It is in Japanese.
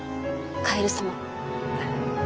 カエル様。